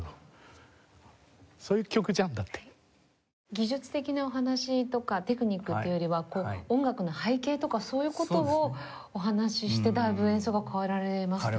技術的なお話とかテクニックというよりは音楽の背景とかそういう事をお話ししてだいぶ演奏が変わられましたね。